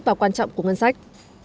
và quan trọng của ngân sách